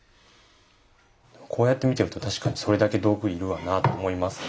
こうやって見てると確かにそれだけ道具要るわなと思いますね。